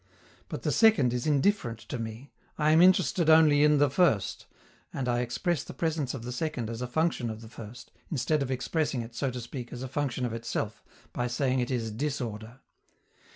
But the second is indifferent to me, I am interested only in the first, and I express the presence of the second as a function of the first, instead of expressing it, so to speak, as a function of itself, by saying it is disorder.